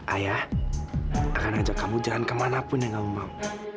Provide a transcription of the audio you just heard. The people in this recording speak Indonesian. ayah akan ajak kamu jalan kemanapun yang kamu mau